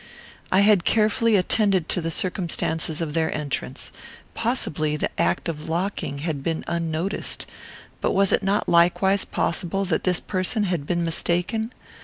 I had carefully attended to the circumstances of their entrance. Possibly the act of locking had been unnoticed; but was it not likewise possible that this person had been mistaken?